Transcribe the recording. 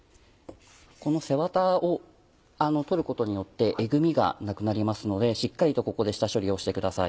この背ワタを取ることによってエグミがなくなりますのでしっかりとここで下処理をしてください。